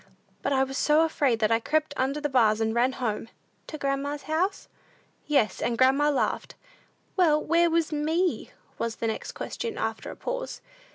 But I was so afraid, that I crept under the bars, and ran home." "To grandma's house?" "Yes; and grandma laughed." "Well, where was me?" was the next question, after a pause.